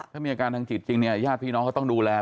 ถ้ามีอาการทางจิตจริงเนี่ยญาติพี่น้องเขาต้องดูแล